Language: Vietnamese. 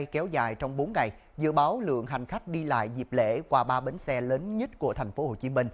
kéo dài trong bốn ngày dự báo lượng hành khách đi lại dịp lễ qua ba bến xe lớn nhất của tp hcm